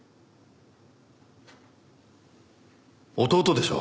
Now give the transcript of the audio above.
弟でしょ？